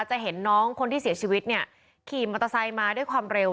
จะเห็นน้องคนที่เสียชีวิตเนี่ยขี่มอเตอร์ไซค์มาด้วยความเร็ว